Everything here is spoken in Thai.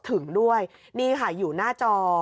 ถึงด้วยนี่ค่ะอยู่หน้าจอ